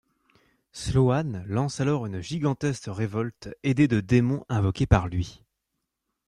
Sloane lance alors une gigantesque révolte aidée de démons invoqués par lui.